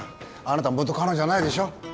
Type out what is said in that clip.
あなた元カノじゃないでしょう。